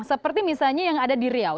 seperti misalnya yang ada di riau